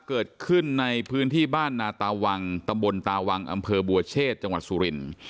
เกิดขึ้นในพื้นที่บ้านนาตาวังตำบลตาวังอำเภอบัวเชษจังหวัดสุรินทร์